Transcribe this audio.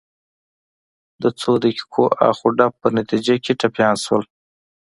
د څو دقیقو اخ و ډب په نتیجه کې ټپیان شول.